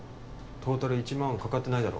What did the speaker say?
トータル１万かかってないだろ？